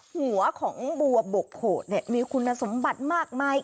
หัวของบัวบกโขดเนี่ยมีคุณสมบัติมากมาย